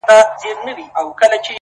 هغه له وېرې څخه لرې له انسانه تښتي!